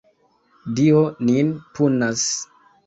Dio nin punas!